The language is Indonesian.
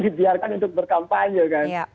dibiarkan untuk berkampanye kan